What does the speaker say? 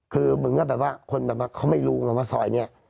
คือมึงก็แบบว่าคนแบบว่าเขาไม่รู้ว่าซอยเนี่ย